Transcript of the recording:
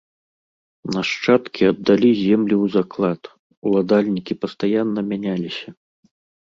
Нашчадкі аддалі землі ў заклад, уладальнікі пастаянна мяняліся.